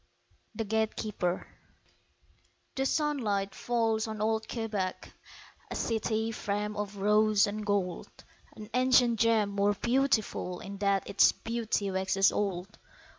The Gatekeeper THE sunlight falls on old Quebec, A city framed of rose and gold, An ancient gem more beautiful In that its beauty waxes old.